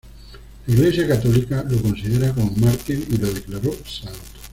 La Iglesia católica lo considera como mártir y lo declaró santo.